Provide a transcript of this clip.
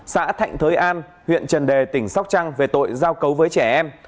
xã thạnh thới an huyện trần đề tỉnh sóc trăng về tội giao cấu với trẻ em